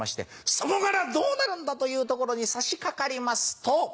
そこからどうなるんだ？というところに差し掛かりますと。